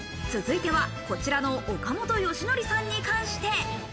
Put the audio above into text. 続いてがこちらの岡本喜典さんに関して。